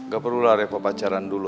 gak perlulah repot pacaran dulu